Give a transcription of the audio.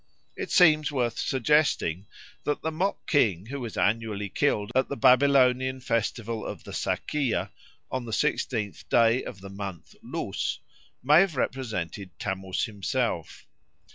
It seems worth suggesting that the mock king who was annually killed at the Babylonian festival of the Sacaea on the sixteenth day of the month Lous may have represented Tammuz himself.